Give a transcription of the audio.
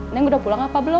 neng udah pulang apa belum